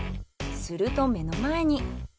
すると目の前に。